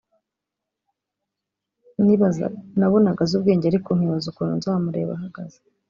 nabonaga azi ubwenge ariko nkibaza ukuntu nzamureba ahagaze